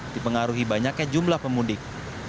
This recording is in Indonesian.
dipengaruhi banyaknya jumlah pemudik